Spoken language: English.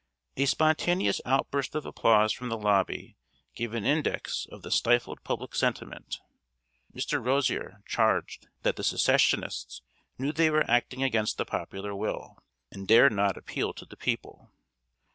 A spontaneous outburst of applause from the lobby gave an index of the stifled public sentiment. Mr. Rozier charged that the Secessionists knew they were acting against the popular will, and dared not appeal to the people.